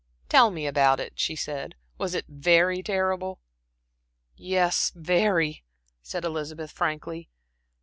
"Tell me all about it," she said. "Was it very terrible?" "Yes, very," said Elizabeth, frankly.